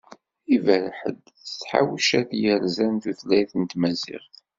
Iberreḥ-d s tḥawcat yerzan tutlayt n tmaziɣt.